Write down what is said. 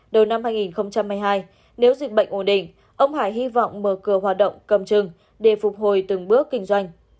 đầu năm hai nghìn hai mươi hai nếu dịch bệnh ổn định ông hải hy vọng mở cửa hoạt động cầm chừng để phục hồi từng bước kinh doanh